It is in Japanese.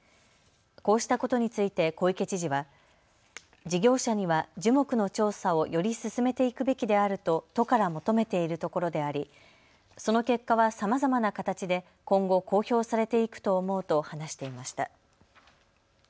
こうしたことについて小池知事は事業者には樹木の調査をより進めていくべきであると都から求めているところでありその結果はさまざまな形で今後、公表されていくと思うと話していました。